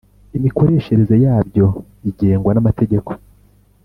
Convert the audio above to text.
Imikoreshereze yabyo igengwa n amategeko